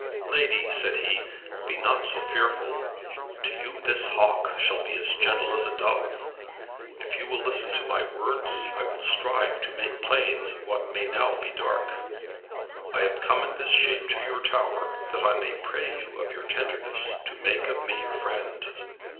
"Lady," said he, "be not so fearful. To you this hawk shall be as gentle as a dove. If you will listen to my words I will strive to make plain what may now be dark. I have come in this shape to your tower that I may pray you of your tenderness to make of me your friend.